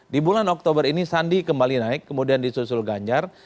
di bulan oktober ini sandi kembali naik kemudian disusul ganjar